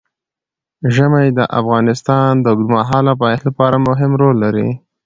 ژمی د افغانستان د اوږدمهاله پایښت لپاره مهم رول لري.